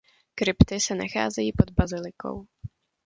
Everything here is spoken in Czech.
Krypty se nacházejí pod bazilikou.